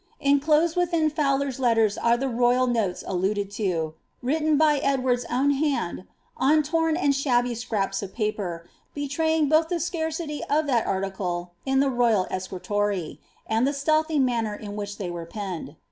"' Encloa«<d within Fowler's letter are the royal notes alluded lo, written Vy Edward's own hand on torn and shabby scraps of paper, betraying both the scarchy of that article in the royal escritoire, and the stealthy manner In vrhith they were penned.